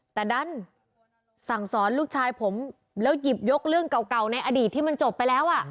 แต่ดันสั่งสอนลูกชายผมแล้วหยิบยกเรื่องเก่าในอดีตที่มันจบไปแล้ว